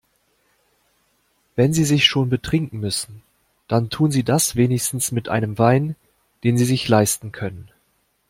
Wenn Sie sich schon betrinken müssen, dann tun Sie das wenigstens mit einem Wein, den Sie sich leisten können.